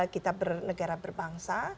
kita negara berbangsa